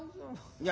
いや。